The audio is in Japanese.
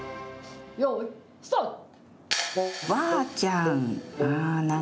よーい、スタート。